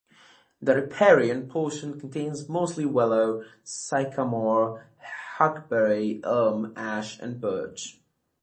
The riparian portion contains mostly willow, sycamore, hackberry, elm, ash and birch.